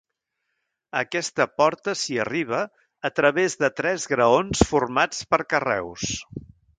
A aquesta porta s'hi arriba a través de tres graons formats per carreus.